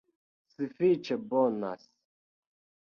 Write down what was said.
Sufiĉe bonas